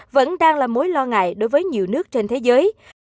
vẫn đang là mối lo ngại đối với nhiều nước trên thế giới